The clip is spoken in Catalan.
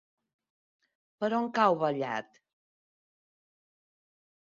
Per on cau Vallat?